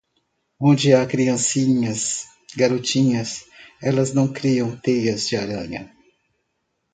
Onde há crianças, garotinhas, elas não criam teias de aranha.